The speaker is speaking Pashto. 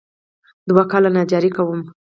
دوه کاله نجاري کوم.